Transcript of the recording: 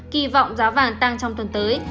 bảy mươi một kỳ vọng giá vàng tăng trong tuần tới